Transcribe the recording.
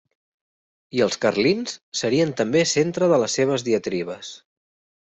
I els carlins serien també centre de les seves diatribes.